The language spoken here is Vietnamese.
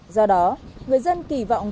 do đó người dân kỳ vọng